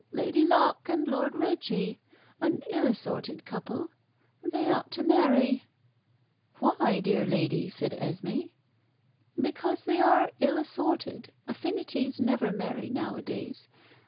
Lady Locke and Lord Reggie an ill assorted couple. They ought to marry." "Why, dear lady?" said Esmé. "Because they are ill assorted. Affinities never marry nowadays.